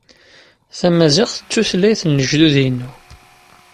Tamaziɣt d tutlayt n lejdud-inu.